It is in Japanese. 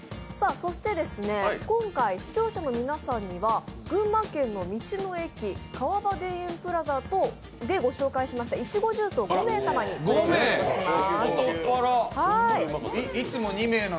そして今回、視聴者の皆様には群馬県の道の駅、川場田園プラザでご紹介しました、いちごジュースを５名様にプレゼントします。